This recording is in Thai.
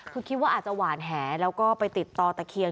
คือคิดว่าอาจจะหวานแหแล้วก็ไปติดต่อตะเคียน